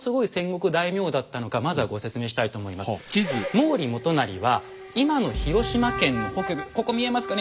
毛利元就は今の広島県の北部ここ見えますかね。